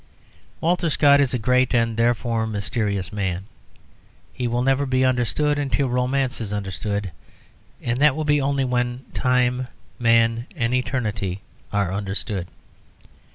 Walter Scott is a great, and, therefore, mysterious man. He will never be understood until Romance is understood, and that will be only when Time, Man, and Eternity are understood.